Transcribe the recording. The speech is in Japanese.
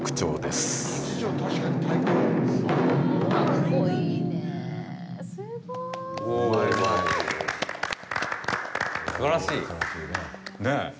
すばらしい！ねぇ！